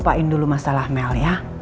kita lupain dulu masalah mel ya